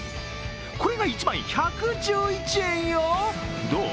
これが１枚１１１円よ、どう？